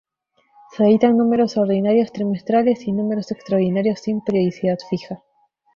Se editan números ordinarios trimestrales y número extraordinarios sin periodicidad fija.